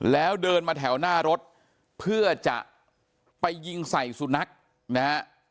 แล้วเดินมาแถวหน้ารถเพื่อจะไปยิงใส่สุนัขนะฮะ